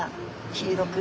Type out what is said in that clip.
黄色く。